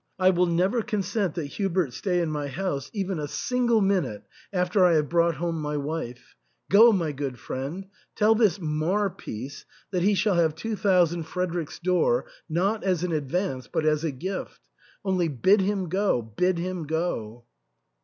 "I will never consent that Hubert stay in my house even a single minute after I have brought home my wife. Go, my good friend, tell this mar peace that he shall have two thousand Fredericks d^or^ not as an advance, but as a gift — only, bid him go, bid him go."